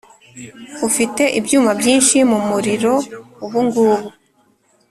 ufite ibyuma byinshi mu muriro ubungubu. ”